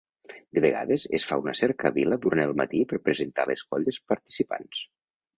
De vegades es fa una cercavila durant el matí per presentar les colles participants.